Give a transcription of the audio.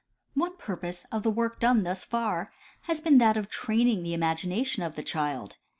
One purpose of the work thus far has been that of training the imagination of the child.